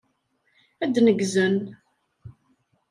Ad neggzen.